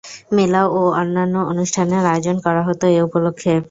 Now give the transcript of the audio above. মেলা ও অন্যান্য অনুষ্ঠানের আয়োজন করা হত এ উপলক্ষে।